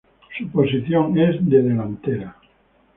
Su posición es de delantera.